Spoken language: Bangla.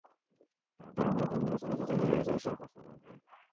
কারণ তারা মনে করেন নির্বাচনে যদি হেরে যান এসব মাস্তান লাগবে।